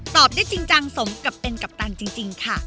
ตอบได้จริงจังฏกับแปนกัปตันจริง